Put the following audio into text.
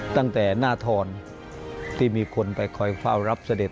ตั้งแต่หน้าทรที่มีคนไปคอยเฝ้ารับเสด็จ